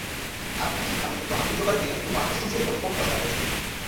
আরামকাঠী গ্রামের মৃত আবদুল জব্বারের মেয়ে রুমা অষ্টম শ্রেণি পর্যন্ত পড়াশোনা করেছেন।